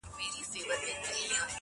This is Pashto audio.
چې ښځې یې له مرګه پس